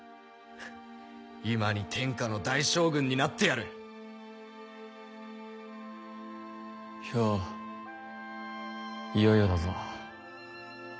今に天下の大将軍になってやる漂いよいよだぞ。